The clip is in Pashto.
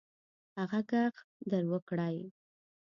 هغه ږغ در وکړئ.